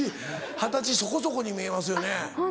二十歳そこそこに見えますよね。